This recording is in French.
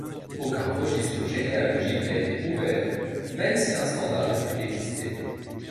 Aucun registre généalogique n'a été ouvert, même si un standard ait pu exister.